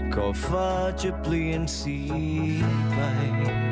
ก็ฟ้าจะเปลี่ยนสีไป